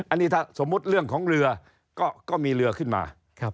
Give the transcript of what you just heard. อันนี้ถ้าสมมุติเรื่องของเรือก็มีเรือขึ้นมา